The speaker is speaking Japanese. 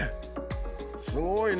すごいね。